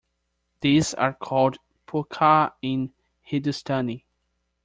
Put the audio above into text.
These are called punkah in Hindustani.